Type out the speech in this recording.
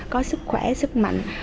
có sức khỏe sức mạnh